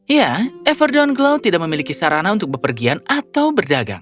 ya everdownlow tidak memiliki sarana untuk bepergian atau berdagang